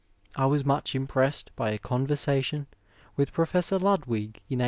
I was much impressed by a conversation with Professor Ludwig in 1884.